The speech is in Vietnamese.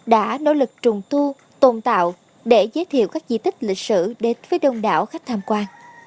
đã nỗ lực trùng tu tồn tạo để giới thiệu các di tích lịch sử đến với đông đảo khách tham quan